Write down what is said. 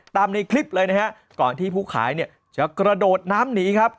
ตามในคลิปเลยนะครับก่อนที่ผู้ขายจะกระโดดน้ำหนีครับ